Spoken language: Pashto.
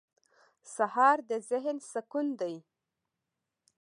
سهار د ذهن سکون دی.